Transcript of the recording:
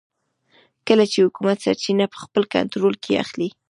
کله چې حکومت سرچینې په خپل کنټرول کې اخلي.